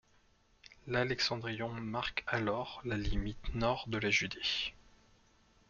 L'Alexandrion marque alors la limite nord de la Judée.